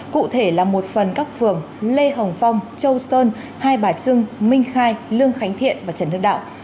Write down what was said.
cụ thể là một phần các phường lê hồng phong châu sơn hai bà trưng minh khai lương khánh thiện và trần hưng đạo